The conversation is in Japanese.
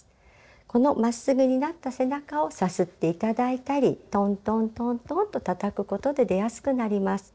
このまっすぐになった背中をさすって頂いたりトントントントンとたたくことで出やすくなります。